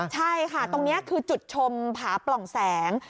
ใช่ค่ะตรงนี้คือจุดชมผาปล่องแสง